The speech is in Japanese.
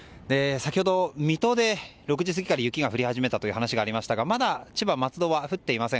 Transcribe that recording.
先ほど、水戸で６時過ぎから雪が降り始めたという話がありましたがまだ千葉の松戸は降っていません。